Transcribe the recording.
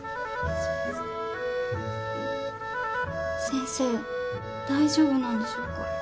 先生大丈夫なんでしょうか？